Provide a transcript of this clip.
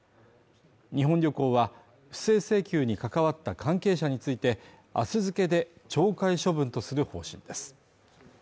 日本旅行は、不正請求に関わった関係者について明日付けで懲戒処分とする方針です。